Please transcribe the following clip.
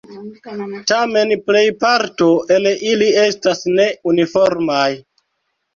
Tamen plejparto el ili estas ne uniformaj.